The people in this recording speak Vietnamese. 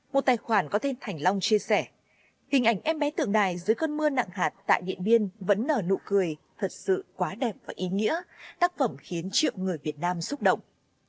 một tài khoản có tên thành long chia sẻ hình ảnh em bé tượng đài dưới cơn mưa nặng hạt tại điện biên vẫn nở nụ cười thật sự quá đẹp và ý nghĩa tác phẩm khiến triệu người việt nam xúc động